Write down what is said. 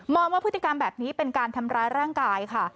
ว่าพฤติกรรมแบบนี้เป็นการทำร้ายร่างกายค่ะ